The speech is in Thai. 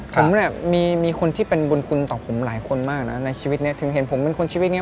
ผมเนี่ยมีคนที่เป็นบุญคุณต่อผมหลายคนมากนะในชีวิตนี้ถึงเห็นผมเป็นคนชีวิตอย่างเ